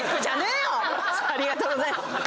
ありがとうございます。